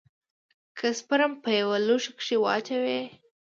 که سپرم په يوه لوښي کښې واچوې.